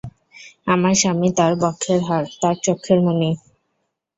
আমার স্বামী তাঁর বক্ষের হার, তাঁর চক্ষের মণি।